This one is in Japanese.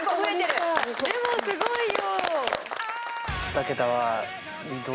でもすごいよ。